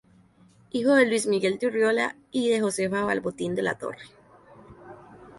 Hijo de Luis Miguel de Urriola y de Josefa Balbontín de la Torre.